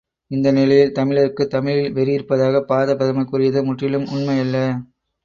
இந்த நிலையில் தமிழருக்குத் தமிழில் வெறி இருப்பதாகப் பாரதப் பிரதமர் கூறியது முற்றிலும் உண்மை அல்ல.